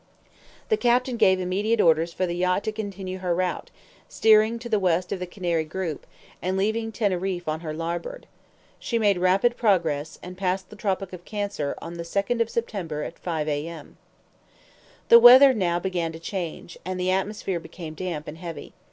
The captain gave immediate orders for the yacht to continue her route, steering to the west of the Canary group, and leaving Teneriffe on her larboard. She made rapid progress, and passed the Tropic of Cancer on the second of September at 5 A. M. The weather now began to change, and the atmosphere became damp and heavy.